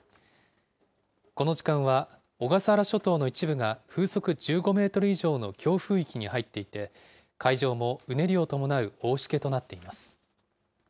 この時間は、小笠原諸島の一部が、風速１５メートル以上の強風域に入っていて、海上もうねりを伴う大しけとなっています。